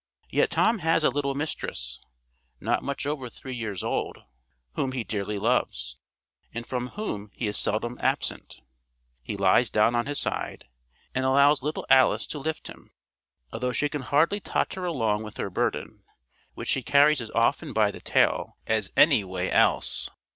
Yet Tom has a little mistress, not much over three years old, whom he dearly loves, and from whom he is seldom absent. He lies down on his side, and allows little Alice to lift him, although she can hardly totter along with her burden, which she carries as often by the tail as any way else.